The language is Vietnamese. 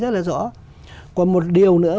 rất là rõ còn một điều nữa